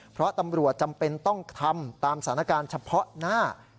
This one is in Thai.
เพราะตำรวจจำเป็นต้องทำตามสถานการณ์เฉพาะหน้า